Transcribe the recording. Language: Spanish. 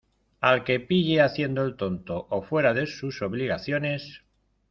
al que pille haciendo el tonto o fuera de sus obligaciones